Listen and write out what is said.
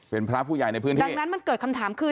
เป็นพระผู้ใหญ่ในพื้นที่ดังนั้นมันเกิดคำถามคือ